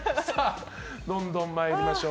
どんどんまいりましょう。